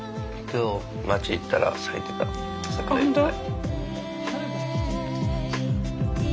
今日町行ったら咲いてた桜いっぱい。